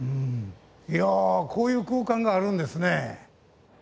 いやこういう空間があるんですね。